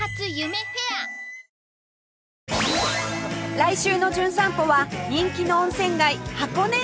来週の『じゅん散歩』は人気の温泉街箱根へ